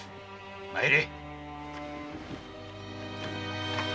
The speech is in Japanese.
参れ